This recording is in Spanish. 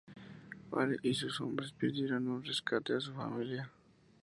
O'Hare y sus hombres pidieron un rescate a su familia.